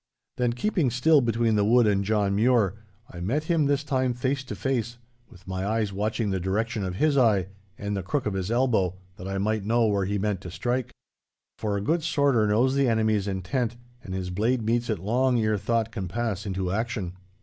Then keeping still between the wood and John Mure, I met him this time face to face, with my eyes watching the direction of his eye and the crook of his elbow, that I might know where he meant to strike. For a good sworder knows the enemy's intent, and his blade meets it long ere thought can pass into action.